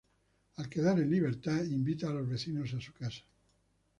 Al quedar en libertad, invita a los vecinos a su casa.